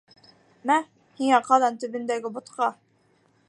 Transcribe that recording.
Мә, һиңә ҡаҙан төбөндәге бутҡа!